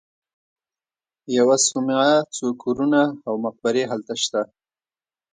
یوه صومعه، څو کورونه او مقبرې هلته شته.